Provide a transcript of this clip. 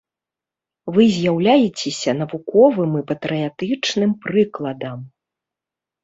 Вы з'яўляецеся навуковым і патрыятычным прыкладам.